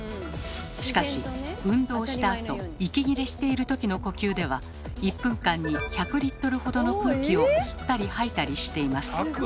しかし運動したあと息切れしているときの呼吸では１分間に１００リットルほどの空気を吸ったり吐いたりしています。